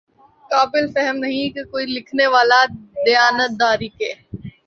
قابل فہم نہیں کہ کوئی لکھنے والا دیانت داری کے